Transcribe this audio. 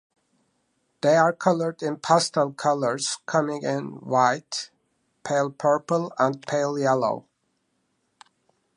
They are coloured in pastel colours, coming in white, pale purple and pale yellow.